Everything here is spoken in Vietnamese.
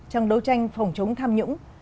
trong đấu tranh phòng chống tham nhũng